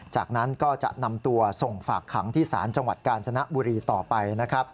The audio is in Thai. จากนั้นก็จะนำตัวส่งฝากขังที่ศาลจังหวัดกาญจนบุรีต่อไปนะครับ